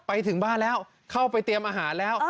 ไปถึงบ้านแล้วเข้าไปเตรียมอาหารแล้ว